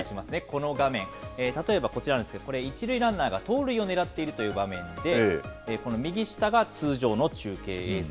この画面、例えばこちらなんですけど、これ、１塁ランナーが盗塁を狙っているという場面で、この右下が通常の中継映像。